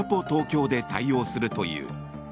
東京で対応するという。